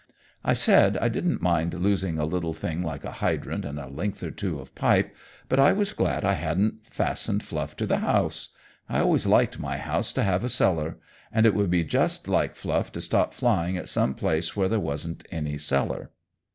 I said I didn't mind losing a little thing like a hydrant and a length or two of pipe, but I was glad I hadn't fastened Fluff to the house I always liked my house to have a cellar and it would be just like Fluff to stop flying at some place where there wasn't any cellar.